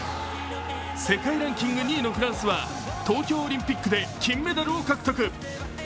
世界ランキング２位のフランスは東京オリンピックで金メダルを獲得。